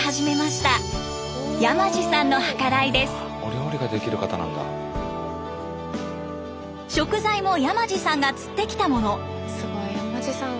食材も山地さんが釣ってきたもの。